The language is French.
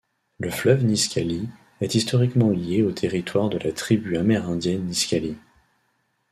Le fleuve Nisqually est historiquement lié au territoire de la tribu amérindienne Nisqually.